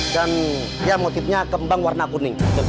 dan dia motifnya kembang warna kuning